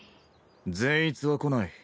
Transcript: ・善逸は来ない。